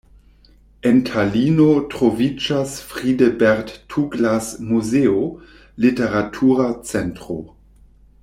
En Talino troviĝas Friedebert-Tuglas-muzeo, literatura centro.